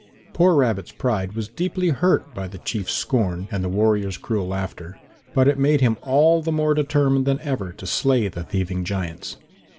Poor Rabbit's pride was deeply hurt by the Chief's scorn and the warriors' cruel laughter, but it all made him more determined than ever to slay the thieving giants.